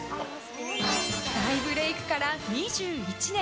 大ブレークから２１年。